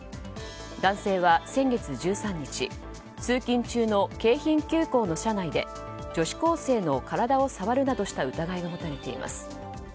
男性は先月１３日通勤中の京浜急行の車内で女子高生の体を触るなどした疑いが持たれています。